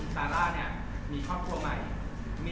ซาร่าเนี่ยมีครอบครัวใหม่